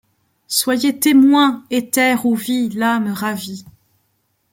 Soyez témoins, éthers où vit l’âme ravie